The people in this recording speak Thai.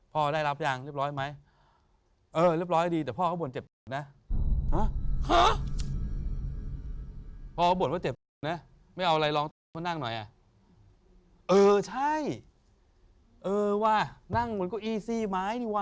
พ่อได้รับยังเรียบร้อยไหม